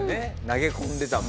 投げ込んでたもん。